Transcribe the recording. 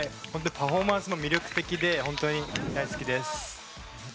パフォーマンスも魅力的で大好きです。